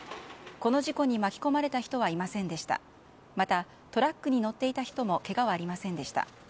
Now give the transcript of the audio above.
この事故に巻き込まれた人はいませんでした。